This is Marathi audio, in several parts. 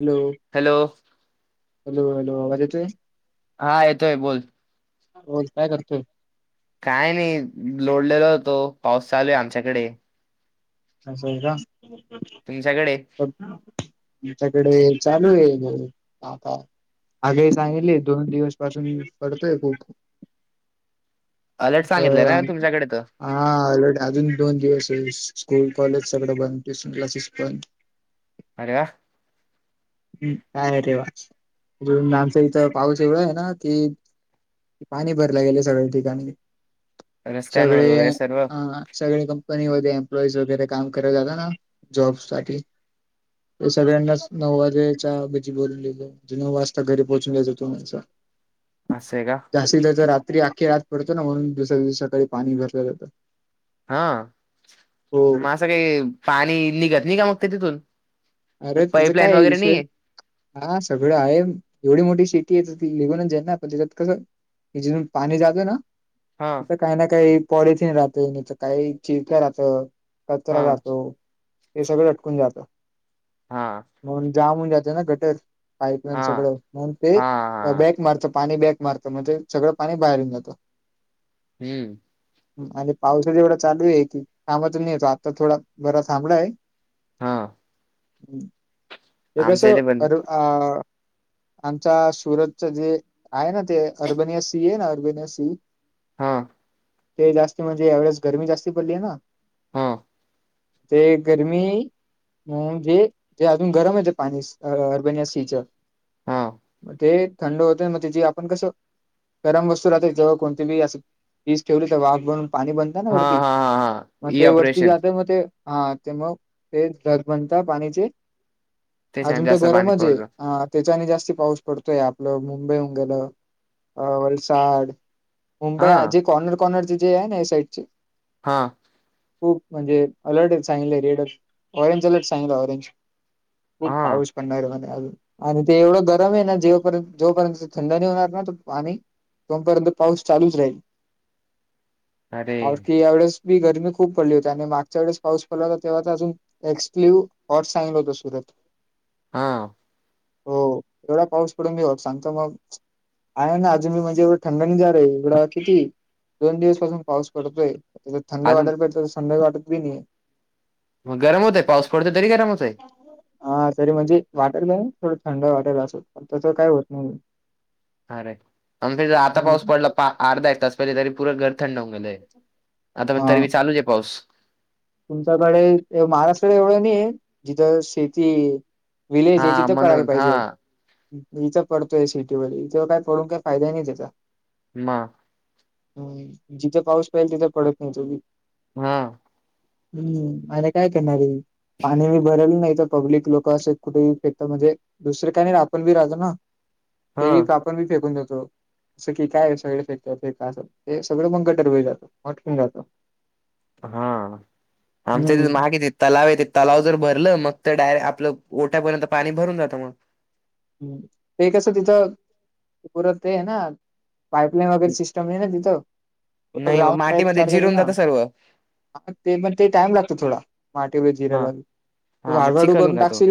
हॅलो. हॅलो. हॅलो हॅलो आवाज येतोय. हा येतोय बोल. बोल काय करतोय.? काय नाही, लोडलेला होतो, पाऊस चालू आहे आमच्याकडे. असं का. तुमच्याकडे आमच्याकडे चालू आहे म आता. आगाही सांगितले दोन दिवस पासून पडतोय खूप. अलर्ट सांगितलं ना तुमच्याकडे तर हा अलर्ट अजून दोन दिवस आहे. स्कूल कॉलेज सगळं बंद, ट्युशन क्लासेस बंद. अरे वा. हम्म, काय अरे वा, आमचं इथं पाऊस एवढं आहे ना की, पाणी भरलं गेलय सगळ्या ठिकाणी, सगळे रस्त्यांवर वगैरे सर्व अ सगळे क कंपनीमध्ये एम्प्लॉईज वगैरे काम करत जातं ना, जॉब् साठी, ते सगळ्यांनाच नव्वद हा बजी बोलून ललो ज नऊ वाजता घरी पोहोचून जा्यायच हो तो मस्त. असय का. जास्ती तर रात्री अखी रात पडतो ना म्हणून दुसऱ्या दिवशी सकाळी पाणी भरलं जातं. हा हो मग असं काही पाणी निघत नाही का मग ते तिथून अरे त्याचं पाईपलाईन काय आहे वगैरे विषय? नाहीये हा सगळं आहे एवढी मोठी सिटी आहे त ती लिघूनच जाई ना आपण त्याच्यात कसं- की जीथून पाणी जातो ना. हा तिथं काही ना काही पॉलिथीन राहते, नाही तर काही चिरक राहत हा कचरा राहतो. हे सगळं अटकून जातं. हा म्हणून जाम होन जात ना गटर पाईपलाईन हा सगळं म्हणून ते हा बॅक मारतं पाणी बॅक- मारत म्हणजे सगळं पाणी बाहेरून जातं. हम्म आणि पावसा जेवढा चालू आहे, की थांबतच नाही येतो आता थोडा बरा थांबड आहे. हा हे आमच्या कसं इथे पण आरु आ- आमच्या सुरतच जे आहे ना, ते अर्बनिया सी आहे ना अर्बनिया सी हा ते जास्त म्हणजे ह्या वेळेस गरमी जास्ती पडली आहे ना. हा ते गरमी- मग हे जे अजून गरम आहे, ते पाणी अर्बन या सीचं हा हा मग ते थंड होततेय मग त्याचीे आपण कसं- गरम वस्तू राहते जेव्हा कोणती बी अस यीज ठेवली तेव्हा आफ बनून पाणी बन- जा ना हा वरती हा हा मग ई ते वरती ऑपरेशन जातय मग ते हा ते ते जर धग बनते पाणीचे त्याच्याने अजून तर जास्त पाणी गरमच आहे पडतं हा. त्याच्याने जास्ती पाऊस पडतोय आपलं मुंबई होऊन गेलं वलसाड मुंबई हा जे कॉर्नर कॉर्नरची जे आहे ना या साईडची हा खूप म्हणजे अलर्ट सांगितलं रेड ऑरेंज अलर्ट सांगलं ऑरेंज खूप हा पाऊस पडणार आहे म्हणे अजून आणि ते एवढं गरम आहे ना जेपर्यंत, जोपर्यंत थंड नाही होणार ना तो पाणी तोपर्यंत पाऊस चालूच राहील अरे काल की या वेळेस, मी गरमी खूप पडली होती, आणि मागच्या वेळेस पाऊस पडला होता तेव्हा तर अजून- एक्सक्ल्यू और सांगितलं होतं सुरत- हा हो एवढा पाऊस पडून होप्स सांगतो बघ आहे ना अजून मी म्हणजे एवढं थंडणी जा रही आहे. एवढं किती दोन दिवस पासून पाऊस पडतोय. त्या थंड अजून वाटतं होतं तर थंड वाटत बी नाही आहे. मग गरम होतय पाऊस पडतो तरी गरम आहे? हा तरी म्हणजे वाटर नाही थोडं थंड वाटर असत पण तसं काय होत नाही आहे. अरे आमच्या हितं आता पाऊस हम्म पडला पा अर्धा एक तास पहिले तरी प पुरं घर थंड होऊन गेलंय. आता पण तरी हा बी चालूच आहे पाऊस. तुमच्याकडे महाराष्ट्राकडे एवढं नाही आहे जिथं शेती आहे. विलेज हा आहे तिथं पडायला म्हणून हा पाहिजे. इथं पडतोय सिटी मध्ये इथं काय पडून काय फायदा नाही त्याचा मग ह जिथे पाऊस पाहिजे तिथं पडत नाही तो बी. हा हम्म आणि काय करणारी, पाणी भरल नाही तर पब्लिक लोक असे कुठे फेकतात म्हणजे दुसरे काय नाही आपण बी राहतो ना, ते हा बि पण मी फेकून देतो. सगळी काय सगळं फेकतात अस हे सगळं मग गटर मधी जात म आटकून राहतं. हा आमच्या हम्म तिथं [unintelligible] तलाव आहे ते तलाव जर भरलं मग तर डाय आपलं गोठ्यापर्यंत पाणी भरून जातं मग. हम्म ते कसं तिथं पुरत ते ना. पाईपलाईन वगैरे सिस्टम नाही ना तिथं, नाही मग ग्राउंड टाईप मातीमध्ये चारज आहे जिरून ना. जातं सर्व हा ते पण ते टाइम लागतो थोडा, माटी वी हा जिरल, हा मग वाडवाडू चिखल होऊन करून जातो टाकशील.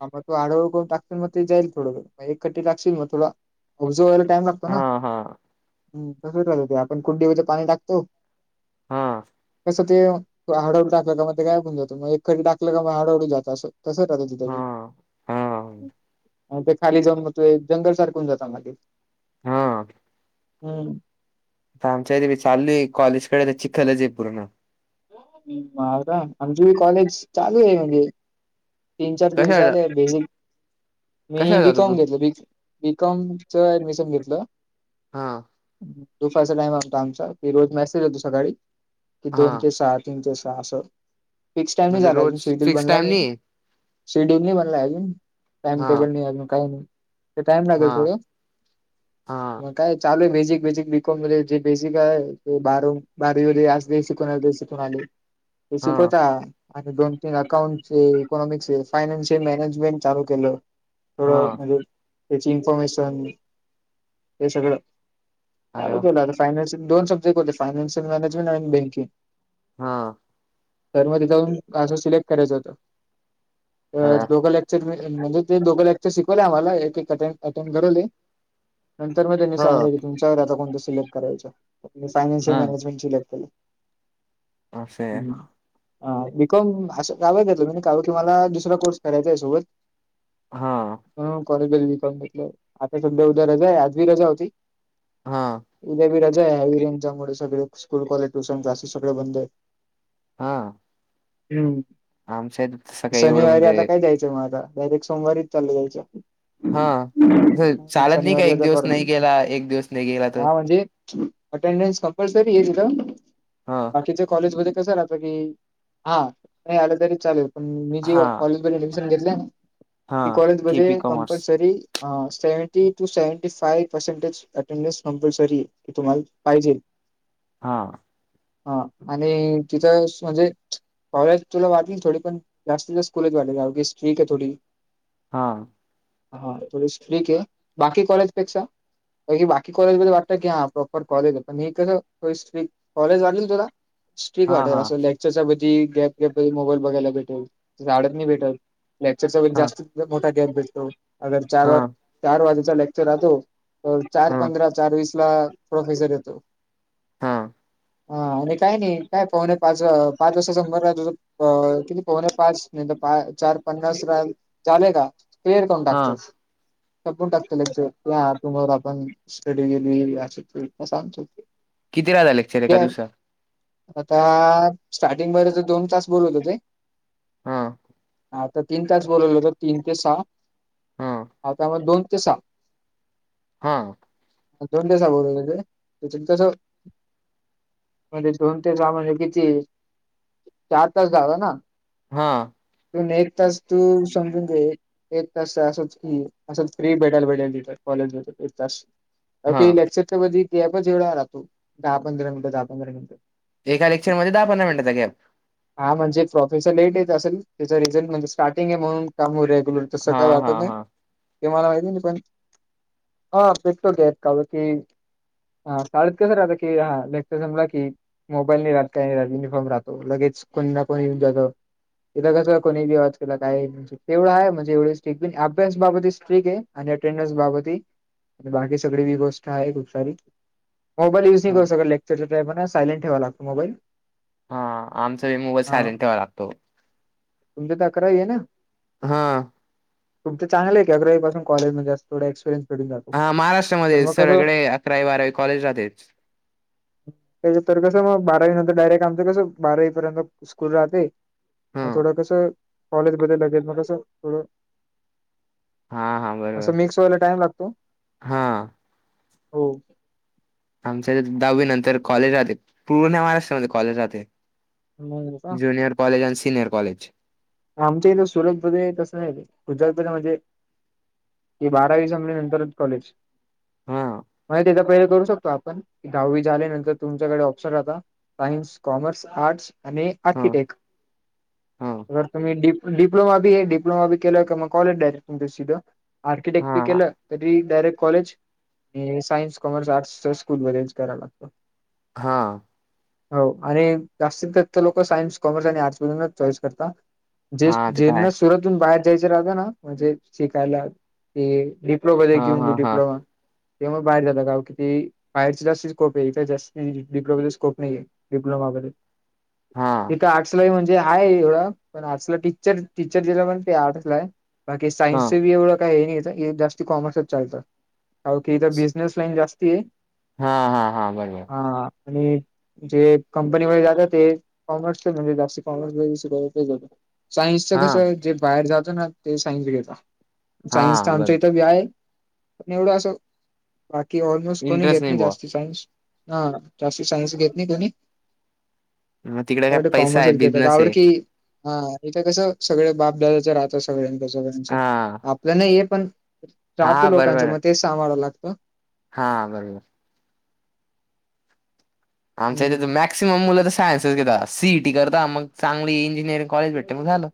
हा मग तो आडळ [unintelligible] टाकशील मग ते जाईल थोड मग एक कटी टाकशील मग तुला [unintelligible] टाईम लागतो ना, हा हा हम्म् तसंच आहे ते आपण कुंडीमध्ये पाणी टाकतो. हा. ते हाडळू टाकलं [unintelligible] काय होऊन जातं मग एककडे टाकलं का मग हडळू जात असं. तसचं करायचे दाजी. हम. मग ते खाली जाऊन मग ते जंगल सारखं होऊन जातं मग ते. हा. हम्. आमच्या इथे बी चालूये कॉलेजकडे तर चिखलच आहे पूर्ण. बारा आमची बी कॉलेज चालू आहे म्हणजे तीन चार दिवस कशाला झाले बेसिक, मी कशाला बी जातो तू? कॉम घेतलय बी बी कॉम च ऍडमिशन घेतलं. हा. दुपारचा टाईम असतो आमचा की रोज मेसेज येतो सकाळी की दोन हा ते सात तीन ते सहा असं, फिक्स टाइम नाही म्हणजे झाला अजून रोज शेड्युल फिक्स बनला टाइम नाही. शेड्युल नाही बनलाय अजून, टाइम हा टेबल नाही अजून काही नाही. ते टाइम लागल हा थोड, हा मग काय चालू आहे बेसिक बेसिक बी कॉम मध्ये जे बेसिक आहे ते बारव बारवी [unintelligible] शिकवनार बेसिक. [unintelligible] आले, ते हा शिकवता आणि दोन तीन अकाउंटचे इकॉनॉमिक्सचे फायनान्शियल मॅनेजमेंट चालू केलं हा थोडं म्हणजे त्याची इन्फॉर्मेशन हे सगळं अरे चालू वा केलं आता फायनान्शियल दोन सब्जेकट होते, फायनान्शियल मॅनेजमेंट आणि बँकिंग. हा. तर मध्ये जाऊन काजो सिलेक्ट करायचं होत, अरे तर दोघं लेग [unintelligible] म्हणजे ते दोघं लेक्चर शिकवले आम्हाला एक एक अटेंड [unintelligible] करवले. नंतर मग त्यांनी हो सांगितलं की तुमच्यावर हाय आता कोणतं सिलेक्ट करायच. मी फायनान्शियल हा मॅनेजमेंट सिलेक्ट केलं, असं आहे हम. हा बी कॉम असं गावत [unintelligible] काव की मला दुसरा कोर्स करायचा आहे सोबत. हा. ह कॉलेज [unintelligible] बी कॉम घेतलं आता सध्या उद्या रजा आहे, आज बी रजा होती. हा. उद्या बी रजा [unintelligible] रेंजामुळे सगळे स्कूल कॉलेज ट्युशन क्लासेस सगळे बंद‌. हा. हम. आमच्यात शनिवारी आता काय जायचं म आता. डायरेक्ट सोमवारीच चालू जायचं. हा असं हम्म, चालत नाही का शनिवारी एक रजा दिवस करून नाही गेला? एक दिवस नाही गेला त? अटेंडेस कमपलसरीये तिद? हा. बाकीच कॉलेज मधे कस राहत. की हा नाही आलं तरी चालेल. पण मी जे हा कॉल ऑडमीशन घेतलाय न, हा ते कॉलेज केपी मध्ये कॉमर्स कम्पलसरी हा. Seventy to seventy five percentage attendance कपलसरीय. ते तुम्हाला पाहिजे. हा. हा आणि तिथं म्हणजे पाहूया, तुला वाटेल थोडे पण, जास्त जास् स्कुलेच वाटेले. अवघे स्ट्रिके थोडी. हां. हा थोडी स्ट्रिके. बाकी कॉलेज पेक्षा. बाकी कॉलेजमध्ये वाटत की हा प्रॉपर कॉलेजे. पण हे कसं स्टिक. कॉलेज वाटेल तुला. स्ट्रिक हा वाटेल. हा असं लेक्चरच्या मधी गॅप गॅप मोबाईल बघायला भेटेल. आडत नाही भेटेल. लेक्चरचा हा जास्त मोठा गॅप भेटतो. अर चार हा चार वाजेचा लेक् चर राहतो. तर चार हा पंधरा, चार वीस ला प्रोफेसर येतो. हा हा आणि काय नाही काय पाहुणे पाच, पाच वासा समर रा तुझ किती पाहुणे, पाच नाही तर पा चार पन्नास ला झाले का क्लेअर करून हा टाकतो. संपून टाकत लेक्चर. लिहा तुम्हाला पण स्टडी दीलेली, अस सांग श [unintelligible] किती राहता लेक्चर एका दिवसात? आता स्टार्टिंगमध्ये त दोन तास बोलवत होते. हा आता तीन तास बोलवलं होत. तीन ते सहा. हा आता म दोन ते सहा. हा. दोन ते सहा बोलावले होते. [unintelligible] म्हणजे दोन ते सा म्हणजे किती? चार तास झाल ना. ह. तून एक तास तू समजून घे. एक तास असं असंच फ्री भेटायला भेटाल तिथ. कॉलेजमध्ये एक तास. हा ओके लेक्चरच्या मधी गॅपच एवढा राहतो. दहा पंधरा मिनिटं. दहा पंधरा मिनिटं. एका लेक्चरमध्ये दहा पंधरा मिनटाचा गॅप. हा म्हणजे प्रोफेसर लेट येत असेल. त्याचा रिझल्ट म्हणजे स्टार्टिंगे म्हणून काम रेग्युलर तसं हा काय हा वाटत नाही. हा ते मला माहिती नाही पण. हा बेटो गेत का बा ककी [unintelligible] हा शाळत कसं राहत की, हा लेक्चर समपला की मोबाईल नाही राहत काय नाही राहत. युनिफॉर्म राहतो. लगेच कोणी कोणी येऊन जात. इथ कस कोणी आवाज केला काय नाही. तेवढं आहे म्हणजे एवढी स्ट्रिक बी नाही. अभ्यासबाबत स्ट्रिके आणि ट्रेडर्स बाबतही. बाकी सगळी वि गोष्ट आहे खुप सारी. मोबाल यूज नाही करू हा. शकत. लेक्चरच्या टाईमाला सायलेंट ठेवा लागतो मोबाईल. हा आमचा ही मोबाईल सायलेंट ठेवा लागतो. तुमच्या त अकरावीये ना? हा. तुमच चांगलय अकराई पासून कॉलेजमध्ये जास्त थोडा एक्सपरियनस हा महाराष्ट्रामध्येच सगळीकडे अकरावी बारावी कॉलेज राहते. [unintelligible] तर कसं? मग बारावी नंतर डायरेक्ट आमचं कसं? बारावी पर्यंत स्कूल राहते. मग हा. थोडं कसं कॉलेजमध्ये लगेल मग कसं थोडं हा हा बरोबर असं मिक्स टाइम लागतो हा हो आमच्या दहावी नंतर कॉलेज राहते पूर्ण महाराष्ट्रामध्ये कॉलेज राहते. मग का ज्युनिअर कॉलेज आण सिनियर कॉलेज आमच्या इथ सुरतमध्ये तसं नाई, गुजरातमध्ये म्हणजे.. ते बारावी संपली, नंतरच कॉलेज हा तझ पहिलं करू शकतो आपण, दहावी झाल्यानंतर तुमच्याकडे ऑप्शन राहता. सायन्स, कॉमर्स, आर्टस आणि हा. आर्किटेक हा जर तुम्ही डि-डिप्लोमा बी ए डिप्लोमा केलं क मग [unintelligible] आर्किटेक्ट बी हा केलं तरी direct college science commerce arts school मध्येच कराव लागत. हा हो, आणि जास्तीत जास्त लोक सायन्स, कॉमर्स आणि आर्ट्समधूनच चॉईस करतात. जे हा ते तर जेना आहे. सुरतून बाहेर जायचे राहता ना म्हणजे शिकायला ते [unintelligible] डिप्लोमा हा हा हा. तेमुळे बाहेर जात का कि ते बाहेरच जास्त स्कोप आहे इथे जास्ती डिप्लोमेचा स्कोप नाही. डिप्लोमा गैरे हा आर्ट्सला म्हणजे आहे एवढं पण आर्टसला टीचर टीचर दिला पण ते आर्टसलाय बाकी हा. सायन्स बी एवढं काही हे नाई. जास्ती कॉमर्सच चालत कार इथ बिझनेस लाईन जास्ती आहे. हा हा हा बरोबर हा आणि जे कंपनी व जातात, ते कॉमर्स म्हणजे जास्त कॉमर्स व सायन्सच हा. कसं, जे बाहेर जातं ना, ते सायन्स घेता. हा सायन्सचा आमच्या बरोबर इथं व्या आहे. पण एवढं असं बाकी ऑलमोस्ट कोणी इंटरेस्ट घेत नाही बुवा जास्त सायन्स हा जास्ती सायन्स घेत नाही कुणी मग तिकडे काय अ पैसा कॉमर्स आहे साइड घेता बिझनेस आहे. [unintelligible] की हा इथं कसं सगळं बाप-दादाचं राहतं, सगळ्यांचं सगळ्यांचं हा आपलं नाही हे पण राहत हा लोकांच्या बरोबर म ते सांभाळवं लागतं हा बरोबर आमच्या इथे हम्म. मॅक्सिमम मुलं तर सायन्सच सी ई टी करता मग चांगली इंजिनिअरिंग कॉलेज भेट. की मग झालं.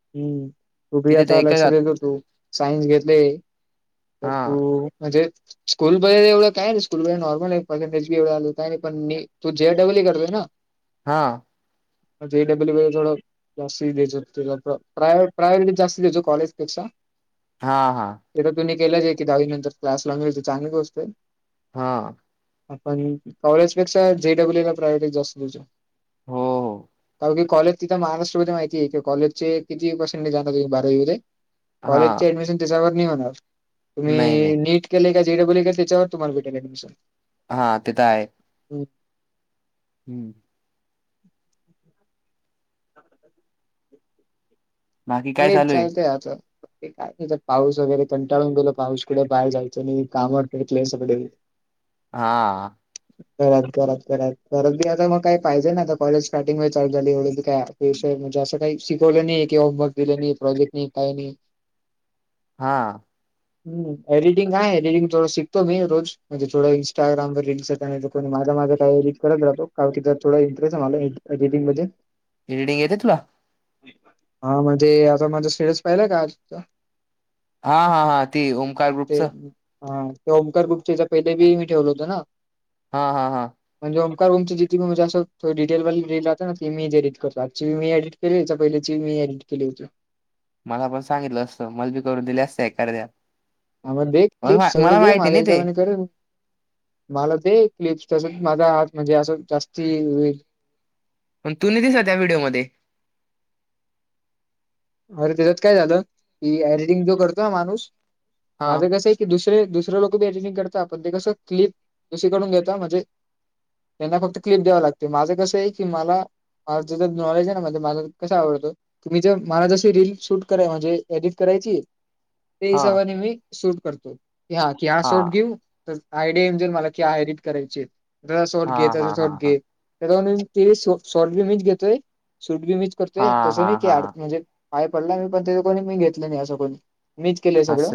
हो हम्म, तू बी इथे तर आता एक लक्ष जात देतो, तू सायन्स घेतले. तर हा तू म्हणजे, स्कूलमध्ये एवढं काय [unintelligible] स्कूलमध्ये नॉर्मलेय पर्सेंटेज बी एवढं आलं काय नाही, पण म तू [unintelligible] करतोय ना हा [unintelligible] व थोडं जास्ती द्यायचं तला प्र-प्रायो-प्रायोरिटी जास्ती द्यायचं कॉलेजपेक्षा हा हा ते तर तु केलंच आहे की दहावी नंतर क्लास लावायचे ती तर चांगली गोष्ट आहे हा आपण कॉलेज जे डबल इ ला प्रायोरिटी जास्त तुझ्या हो हो कार की कॉलेज तिथं महाराष्ट्रमध्ये माहिती आहे कॉजचे किती पार्सेंटेज आणणार तुम्ही बारावीमध्ये हा कॉलेजची ऍडमिशन त्याच्यावर नाही होणार नाही नाही तुम्ही नीट केले का जे डबल इ केलय त्याच्यावर भेटे अँडमिशन हा ते तर आहे हो.. हम्म आता तर बाकी काय तेच चालू आहे चालतंय आता ते काय नाही तर पाऊस वगैरे कंटाळून गेलो पाऊस कुठे बाहेर जायचं नाही कामवर पटतलेय सगळे [inaudible] हा.. करात करत करत करत बी आता मग काही पाहिजे ना आता कॉलेज स्टार्टिंग वे चालू झाली एवढी बी काय ते म्हणजे असं काही शिकवलं नाही की होमवर्क दिलं नाही प्रॉजेक्ट नाही काही नाही हा [inaudible] हम एडटिंग आहे एडिटंग थोडं शिकतो रोज म्हणजे थोडं इंस्टाग्राम रील्स आणि माल माझ काही एडिट करत राहतो का की थोडा इंटरेस्ट आहे मला एडिटिंग मध्ये एडिटिंग येत तुला? हा म्हणजे आता माझा स्टेटस पाहिला का? हा हा हा... ती ओंकार ते ग्रुपचं? हा ते ओंकार ग्रुप चे पहिले बी मी ठेवल होत ना हा हा हा... म्हणजे ओमकार ग्रुप जे म्हणजे जास्त अस डिटेल ना ते मी एडिट अक्तुअली मी करतो केय पहिल्या मी एडिट केले होत मला पण सांगितलं असतं मलबी करून दिले असत एखद्या ह मग दे क्लिप सगळे दे माझ्या नाही ते हिशोबाने करेल मला ते क्लिप्स तस माझा आवाज म्हणजे असं जास्ती पण तु नाही दिसत त्या व्हिडीओमध्ये अरे त्याच्यात काय झालं की एडिटिंग जो करतो ना माणूस हा माझं कस की दुसरे दुसरे लोक बी एटिटिंग करत आपण ते कसं क्लिप दुसरीकडून घेता म्हणजे त्यांना फक्त क्लिप द्यावं लागते माझं कसं आहे की मला म त्याचं नॉलेज आहे ना मध्ये मला कसा आवडतो तुम्ही जे मला जशी रील शूट कराय म्हणजे एडिट करायची त्या हा हिसाबाने मी शूट करतो की हा की हा शॉट घेऊ तर आयडिया येन जाेईल मला की हा एरिट करायची आहेत ज शॉर्ट घे त्याचा शॉर्ट घे त्या ते शॉर्ट बी मीच घेतोय शूट बी मीच करतोय तसं नाही की आड म्हणजे पाय पडला मी पण ते कोणी मी घेतलं नाही असं कोणी मीच केलंय सगळं